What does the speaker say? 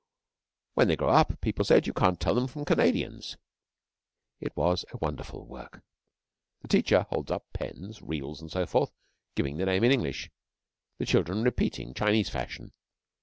'When they grow up,' people said, 'you can't tell them from Canadians.' It was a wonderful work. The teacher holds up pens, reels, and so forth, giving the name in English; the children repeating Chinese fashion.